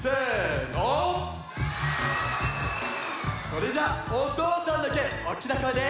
それじゃおとうさんだけおおきなこえで。